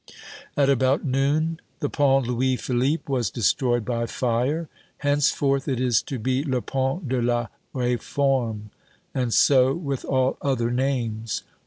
At about noon, the Pont Louis Philippe was destroyed by fire. Henceforth it is to be "Le Pont de la Réforme." And so with all other names.